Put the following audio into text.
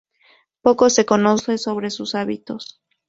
Poco se conoce sobre sus hábitos.